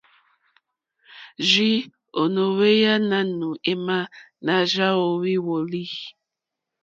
Rzìi ò no ohweya nanù ema, na rza ohvi woli.